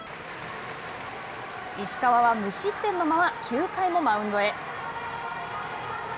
石川は無失点のまま９回もマウンドへ。